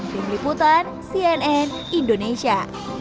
tim liputan cnn indonesia